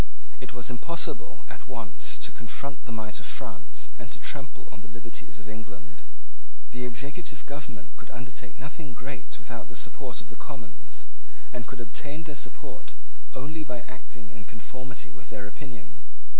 It was impossible at once to confront the might of France and to trample on the liberties of England. The executive government could undertake nothing great without the support of the Commons, and could obtain their support only by acting in conformity with their opinion.